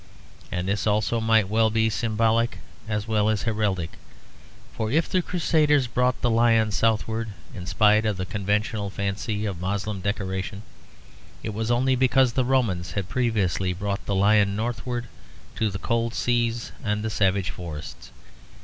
And this also might well be symbolic as well as heraldic. For if the Crusaders brought the lion southward in spite of the conventional fancy of Moslem decoration, it was only because the Romans had previously brought the lion northward to the cold seas and the savage forests.